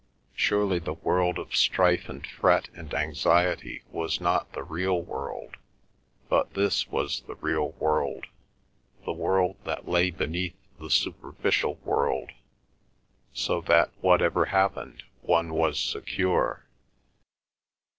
Surely the world of strife and fret and anxiety was not the real world, but this was the real world, the world that lay beneath the superficial world, so that, whatever happened, one was secure.